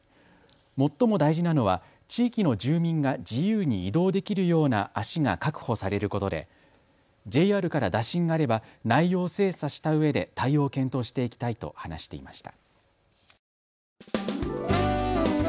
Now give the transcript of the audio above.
最も大事なのは地域の住民が自由に移動できるような足が確保されることでＪＲから打診があれば内容を精査したうえで対応を検討していきたいと話していました。